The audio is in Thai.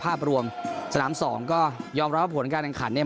ภาพรวมสนามสองก็ยอมรับว่าผลการแข่งขันเนี่ย